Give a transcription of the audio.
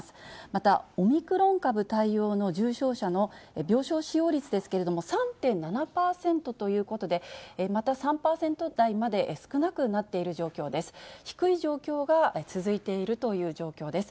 また、オミクロン株対応の重症者の病床使用率ですけれども、３．７％ということで、また３％台まで少なくなっている状況です。